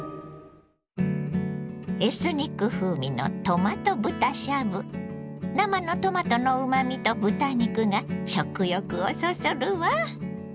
エスニック風味の生のトマトのうまみと豚肉が食欲をそそるわ。